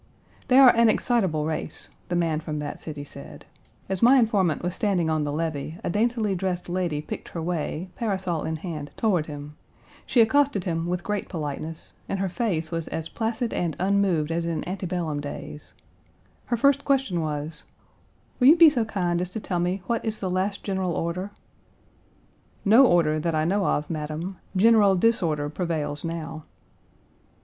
"They are an excitable race," the man from that city said. As my informant was standing on the levee a daintily dressed lady picked her way, parasol in hand, toward him. She accosted him with great politeness, and her face was as placid and unmoved as in antebellum days. Her first question was: "Will you be so kind as to tell me what is the last general order?" "No order that I know of, madam; General Disorder prevails now."